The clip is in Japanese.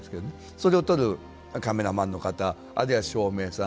それを撮るカメラマンの方あるいは照明さん